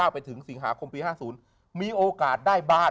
ไปถึงสิงหาคมปี๕๐มีโอกาสได้บ้าน